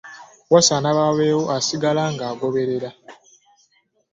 Wasaana wabeewo asigala ng'agoberera.